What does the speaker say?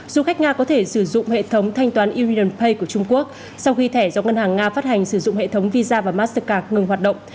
du khách nga có thể sử dụng hệ thống thanh toán u rianpage của trung quốc sau khi thẻ do ngân hàng nga phát hành sử dụng hệ thống visa và mastercard ngừng hoạt động